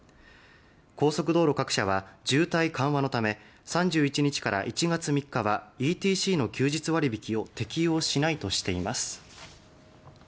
高速道路各社は渋滞緩和のため３１日から１月３日はＥＴＣの休日割引を適用しないとしています。